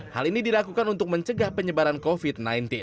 hal ini dilakukan untuk mencegah penyebaran covid sembilan belas